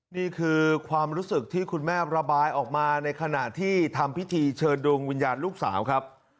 นี่คือความรู้สึกที่คุณแม่ระบายออกมาในขณะที่ทำพิธีเชิญดวงวิญญาณลูกสาวครับ